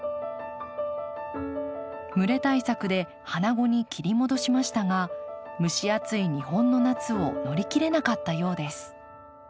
蒸れ対策で花後に切り戻しましたが蒸し暑い日本の夏を乗り切れなかったようです。